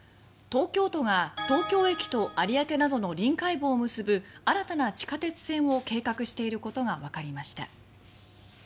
東京都が東京駅と有明などの臨海部を結ぶ新たな地下鉄線を計画していることがわかりました。